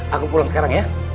aku pulang sekarang ya